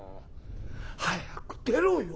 早く出ろよ。